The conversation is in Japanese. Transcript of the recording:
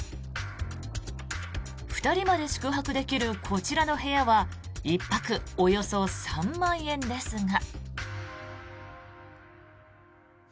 ２人まで宿泊できるこちらの部屋は１泊およそ３万円ですが。